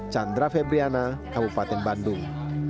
chandra febriana kabupaten bandung